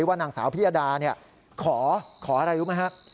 ว่านางสาวพิยดาขออะไรรู้ไหมครับ